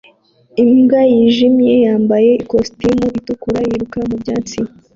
Imbwa yijimye yambaye ikositimu itukura yiruka mu byatsi